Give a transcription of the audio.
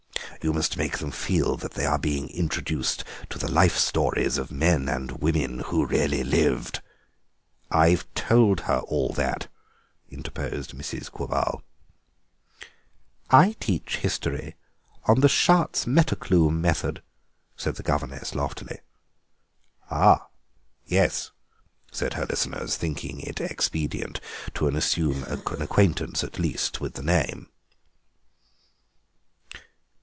You must make them feel that they are being introduced to the life stories of men and women who really lived—" "I've told her all that," interposed Mrs. Quabarl. "I teach history on the Schartz Metterklume method," said the governess loftily. "Ah, yes," said her listeners, thinking it expedient to assume an acquaintance at least with the name.